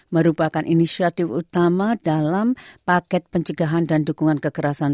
merupakan inisiatif utama dalam paket penjagaan dan dukungan kekerasanan